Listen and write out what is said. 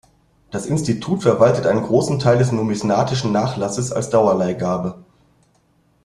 Das Institut verwaltet einen großen Teil des numismatischen Nachlasses als Dauerleihgabe.